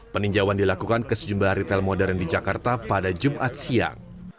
peninjauan dilakukan ke sejumlah retail modern di jakarta pada jumat siang